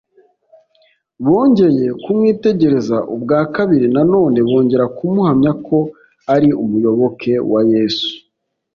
bongeye kumwitegereza ubwa kabiri, na none bongera kumuhamya ko ari umuyoboke wa yesu